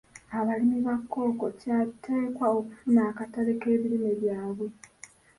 Abalimi ba Kkooko kya tteekwa okufuna akatale k'ebimera byabwe.